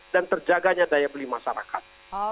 terjaganya daya beli masyarakat